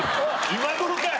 今頃かい！